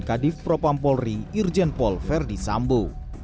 kadif propampolri virgin pole verdi sambo